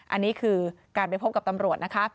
อันนี้คือการไปพบกับตำรวจนะคะ